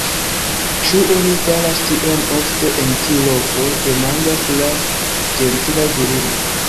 “Ĉu oni faras tion ofte en tiu loko?” demandas la ĝentila virino.